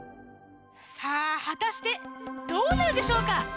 さあはたしてどうなるでしょうか？